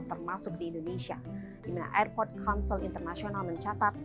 termasuk di indonesia di mana airport council international mencatat